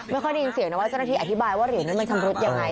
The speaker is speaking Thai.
ได้ยินเสียงนะว่าเจ้าหน้าที่อธิบายว่าเหรียญนี้มันชำรุดยังไง